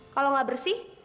kalau nggak bersih